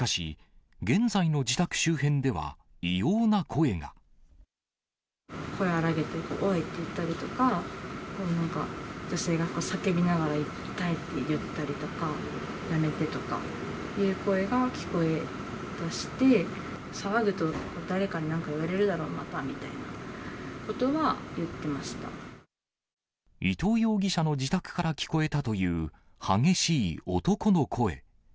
しかし、声を荒らげて、おい！って言ったりとか、なんか、女性が叫びながら痛いって言ったりとか、やめてとか言う声が聞こえてきて、騒ぐと誰かになんか言われるだろうまたみたいなことは言ってまし伊藤容疑者の自宅から聞こえたという激しい男の声。